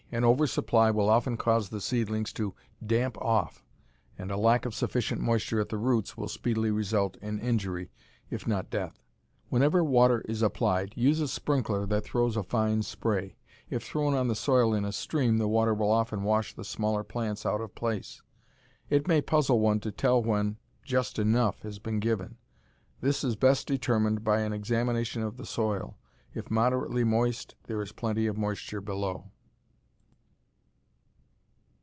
An over supply will often cause the seedlings to "damp off," and a lack of sufficient moisture at the roots will speedily result in injury, if not death. Whenever water is applied, use a sprinkler that throws a fine spray. If thrown on the soil in a stream the water will often wash the smaller plants out of place. It may puzzle one to tell when just enough has been given. This is best determined by an examination of the soil. If moderately moist there is plenty of moisture below.